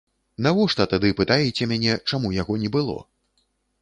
Навошта тады пытаеце мяне, чаму яго не было?